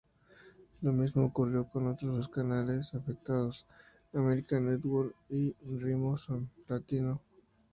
Lo mismo ocurrió con otros dos canales afectados, American Network y Ritmoson Latino.